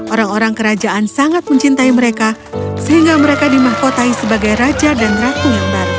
orang orang kerajaan sangat mencintai mereka sehingga mereka dimahkotai sebagai raja dan ratu yang baru